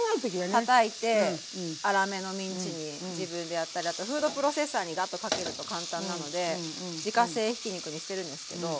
たたいて粗めのミンチに自分でやったりあとフードプロセッサーにガッとかけると簡単なので自家製ひき肉にしてるんですけど。